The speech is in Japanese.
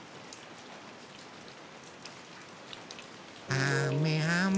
あめあめ。